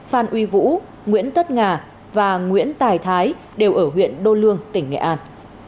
phan uy vũ nguyễn tất hà và nguyễn tài thái đều ở huyện đô lương tỉnh nghệ an